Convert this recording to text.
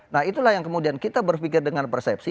nah itulah yang kemudian kita berpikir dengan persepsi